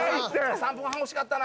３分半欲しかったな。